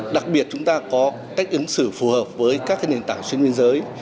đặc biệt chúng ta có cách ứng xử phù hợp với các nền tảng trên nguyên giới